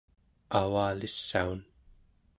avalissaun